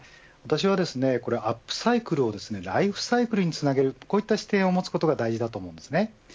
私は、これアップサイクルをライフサイクルにつなげるこういった視点を持つことが大事だと思います。